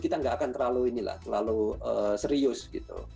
kita nggak akan terlalu serius gitu